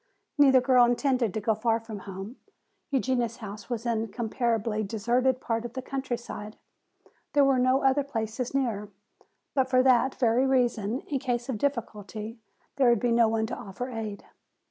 Neither girl intended to go far from home. Eugenia's house was in a comparatively deserted part of the countryside. There were no other places near. But for that very reason in case of difficulty there would be no one to offer aid.